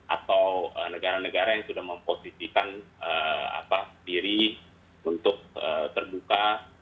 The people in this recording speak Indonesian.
atau negara negara yang sudah memposisikan diri untuk terbuka